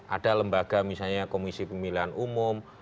ada lembaga misalnya komisi pemilihan umum